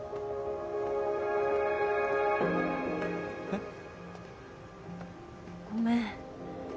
えっ？ごめん。